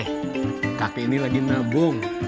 eh kakek ini lagi nabung